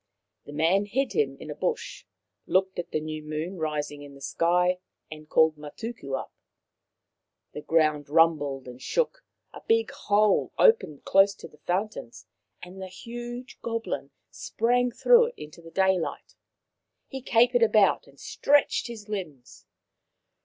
The man hid him in a bush, looked at the new moon rising in the sky, and called Matuku up. The ground rumbled and shook, a big hole opened close to the fountains, and the huge goblin sprang through it into the daylight. He capered about and stretched his limbs.